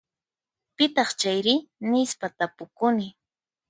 Pitaq chayri? Nispa tapukuni.